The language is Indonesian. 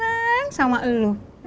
seneng sama elu